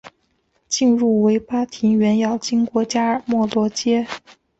进入维巴庭园要经过加尔默罗街。